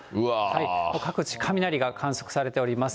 もう各地、雷が観測されております。